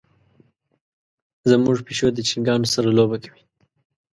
زمونږ پیشو د چرګانو سره لوبه کوي.